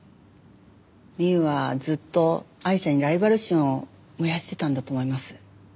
ミウはずっとアイシャにライバル心を燃やしてたんだと思います。